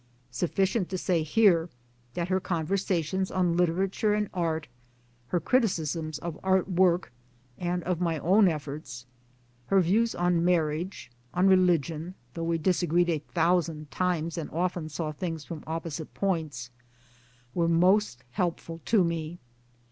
1 Sufficient to say here that her conversations on literature and art, her criticisms of art work (and of my own efforts), her views on marriage, on religion though we disagreed a thousand times and often saw things from opposite points were most helpful to me.